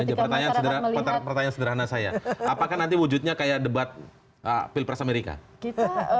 aja pertanyaan sederhana saya apakah nanti wujudnya kayak debat pilpres amerika kita